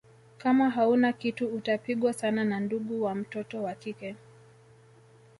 Kama hauna kitu utapigwa sana na ndugu wa mtoto wa kike